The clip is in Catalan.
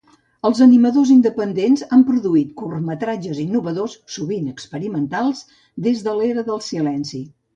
Els animadors independents han produït curtmetratges innovadors, sovint experimentals, des de l'era del silenci.